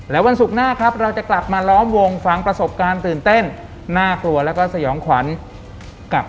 แล้ววันศุกร์หน้า